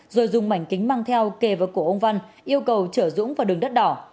rồi dùng mảnh kính mang theo kề vào cổ ông văn yêu cầu chở dũng vào đường đất đỏ